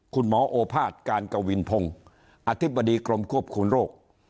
โอภาษย์การกวินพงศ์อธิบดีกรมควบคุมโรค